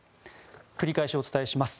繰り返しお伝えします。